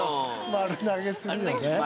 丸投げするよね。